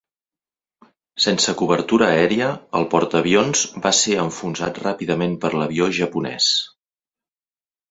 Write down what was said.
Sense cobertura aèria, el portaavions va ser enfonsat ràpidament per l'avió japonès.